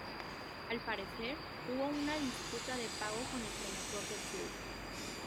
Al parecer, hubo una disputa de pago con el promotor del club.